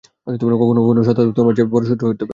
কখনো কখনো, সততাও তোমার সবচেয়ে বড়ো শত্রু হয়ে উঠতে পারে।